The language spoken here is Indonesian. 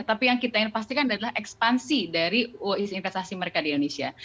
tapi yang kita ingin pastikan adalah ekspansi dari investasi mereka di indonesia